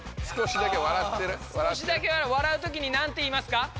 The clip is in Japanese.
少しだけ笑うときになんて言いますか？